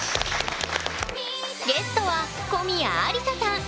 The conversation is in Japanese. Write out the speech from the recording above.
ゲストは小宮有紗さん。